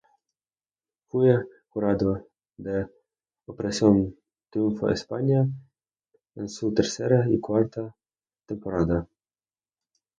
Fue jurado de Operación Triunfo España en su tercera y cuarta temporada.